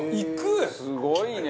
すごいね！